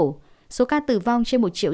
tổng số ca tử vong trên một triệu